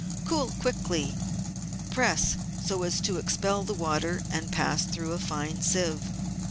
Cool quickly, press so as to expel the water, and pass through a fine sieve.